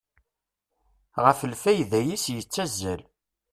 Ɣef lfayda-is yettazzal.